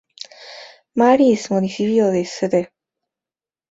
Marys, Municipio de St.